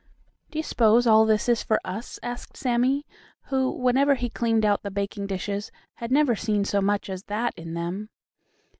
"Do you s'pose all this is for us?" asked Sammie, who, whenever he cleaned out the baking dishes, had never seen so much as that in them.